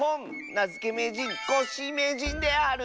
なづけめいじんコッシーめいじんである。